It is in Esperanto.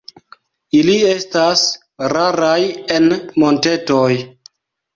Ili estas raraj en montetoj.